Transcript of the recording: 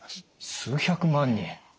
数百万人！